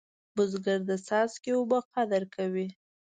بزګر د څاڅکي اوبه قدر کوي